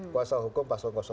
kuasa hukum dua